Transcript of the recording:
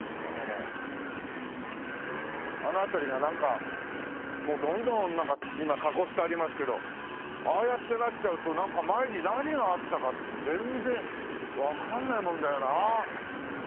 あの辺りがなんかもうどんどんなんか今囲ってありますけどああやってなっちゃうと前に何があったかって全然わかんないもんだよな。